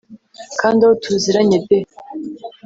Kandi abo tuziranye d